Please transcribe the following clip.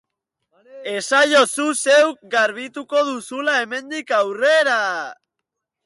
Esaiozu zeuk garbituko duzula hemendik aurrera.